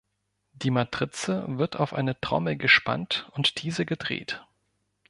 Die Matrize wird auf eine Trommel gespannt und diese gedreht.